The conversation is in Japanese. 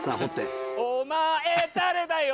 お前誰だよ？